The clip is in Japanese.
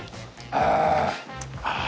ああ。